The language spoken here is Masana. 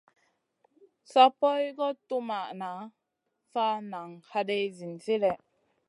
Sa poy guʼ tuwmaʼna, sa nan haday zinzi lèh.